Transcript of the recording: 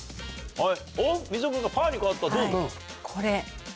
はい。